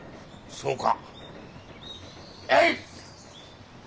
そうか。